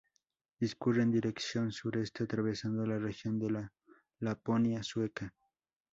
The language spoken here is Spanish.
Discurre en dirección sureste atravesando la región de la Laponia sueca.